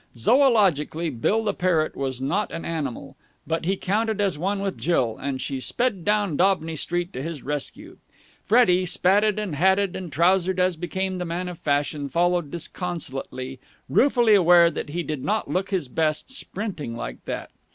Zoologically, Bill the parrot was not an animal, but he counted as one with Jill, and she sped down Daubeny Street to his rescue Freddie, spatted and hatted and trousered as became the man of fashion, following disconsolately, ruefully aware that he did not look his best sprinting like that.